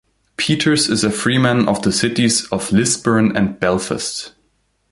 Peters is a Freeman of the Cities of Lisburn and Belfast.